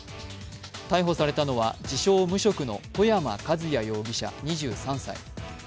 逮捕されたのは、自称・無職の外山和也容疑者２３歳。